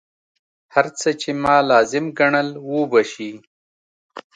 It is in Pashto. هر څه چې ما لازم ګڼل وبه شي.